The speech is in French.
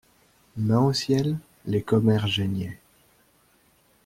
Mains au ciel, les commères geignaient.